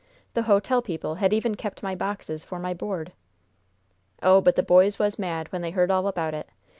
The hotel people had even kept my boxes for my board! "Oh, but the boys was mad when they heard all about it!